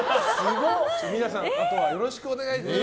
皆さん、あとはよろしくお願いいたします。